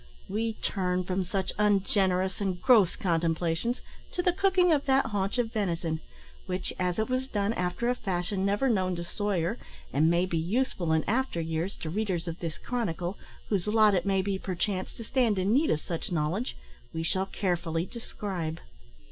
We turn from such ungenerous and gross contemplations to the cooking of that haunch of venison, which, as it was done after a fashion never known to Soyer, and may be useful in after years to readers of this chronicle, whose lot it may be, perchance, to stand in need of such knowledge, we shall carefully describe.